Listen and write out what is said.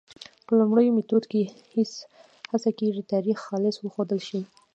په لومړي میتود کې هڅه کېږي تاریخ خالص وښودل شي.